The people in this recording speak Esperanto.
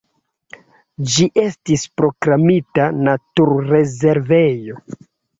Ĝi estis proklamita naturrezervejo.